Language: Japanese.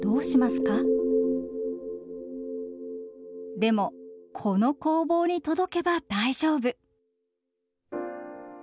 でもこの工房に届けば大丈夫。